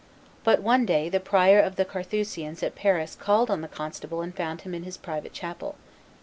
But one day the prior of the Carthusians at Paris called on the constable and found him in his private chapel.